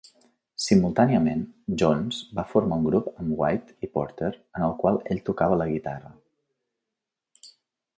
Simultàniament, Jones va formar un grup amb White i Porter en el qual ell tocava la guitarra.